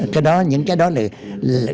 cái đó những cái đó là